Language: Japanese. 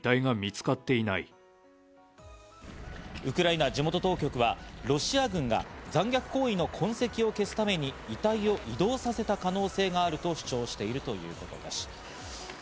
ウクライナ地元当局はロシア軍が残虐行為の痕跡を消すために遺体を移動させた可能性があると主張しているということです。